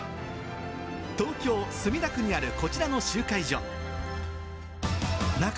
東京・墨田区にあるこちらの集会所。